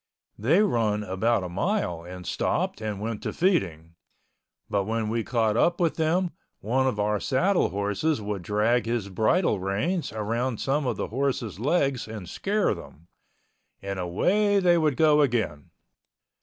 They run about a mile and stopped and went to feeding—but when we caught up with them, one of our saddle horses would drag his bridle reins around some of the horses' legs and scare them—and away they would go again.